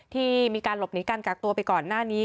ที่มีการหลบหนีการกักตัวไปก่อนหน้านี้